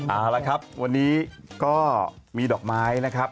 เอาละครับวันนี้ก็มีดอกไม้นะครับ